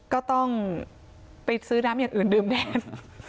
ก็ต้องไปซื้อน้ำอย่างอื่นดื่มแทน